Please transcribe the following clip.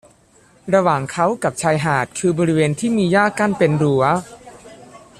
ระหว่างเขากับชายหาดคือบริเวณที่มีหญ้ากั้นเป็นรั้ว